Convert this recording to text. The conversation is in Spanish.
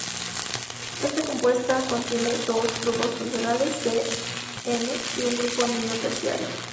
Este compuesto contiene dos grupos funcionales C≡N y un grupo amino terciario.